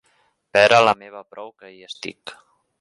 Pera la meva prou que hi estic.